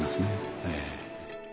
ええ。